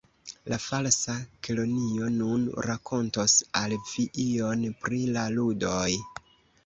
"La Falsa Kelonio nun rakontos al vi ion pri la ludoj."